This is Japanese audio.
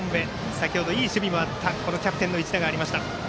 先ほど、いい守備もあったキャプテンの一打。